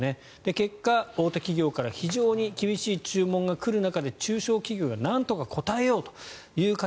結果、大手企業から非常に厳しい注文が来る中で中小企業がなんとか応えようという形。